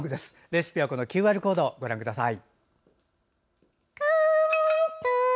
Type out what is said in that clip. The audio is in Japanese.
レシピは、ＱＲコードご覧ください。